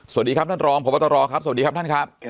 สวัสดีครับท่านรองพบตรครับสวัสดีครับท่านครับ